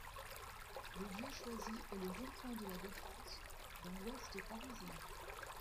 Le lieu choisi est le rond-point de la Défense, dans l'ouest parisien.